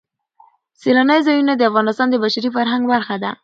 سیلانی ځایونه د افغانستان د بشري فرهنګ برخه ده.